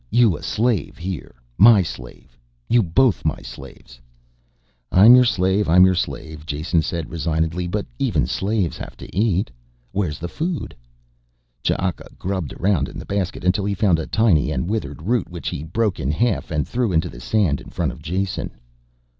You a slave here. My slave. You both my slaves." "I'm your slave, I'm your slave," Jason said resignedly. "But even slaves have to eat. Where's the food?" Ch'aka grubbed around in the basket until he found a tiny and withered root which he broke in half and threw onto the sand in front of Jason.